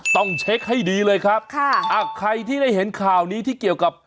ต้องเช็คให้ดีเลยครับค่ะอ่ะใครที่ได้เห็นข่าวนี้ที่เกี่ยวกับ